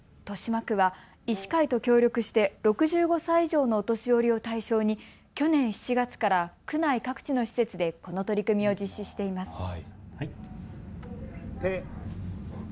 豊島区は医師会と協力して６５歳以上のお年寄りを対象に去年４月から区内各地の施設でこの取り組みを実施しています。